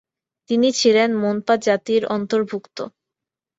তিনি ছিলেন মোনপা জাতির অন্তর্ভুক্ত।